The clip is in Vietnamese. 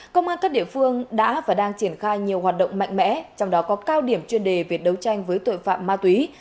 công an các địa phương đã và đang triển khai nhiều hoạt động mạnh mẽ trong đó có cao điểm chuyên đề về đấu tranh với tội phạm ma túy